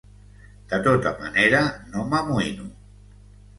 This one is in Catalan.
De tota manera, no m'amoïno.